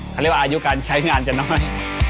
เขาเรียกว่าอายุการใช้งานจะน้อย